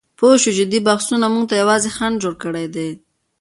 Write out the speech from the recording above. پوهه شو چې دې بحثونو موږ ته یوازې خنډ جوړ کړی دی.